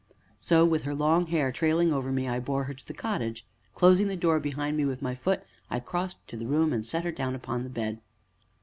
So, with her long hair trailing over me, I bore her to the cottage. Closing the door behind me with my foot, I crossed the room, and set her down upon the bed.